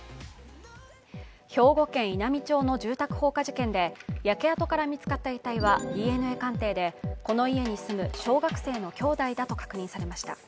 兵庫県稲美町の住宅放火事件で焼け跡から見つかった遺体はＤＮＡ鑑定でこの家に住む小学生の兄弟だと確認されました。